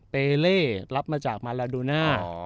เล่รับมาจากมาลาดูน่า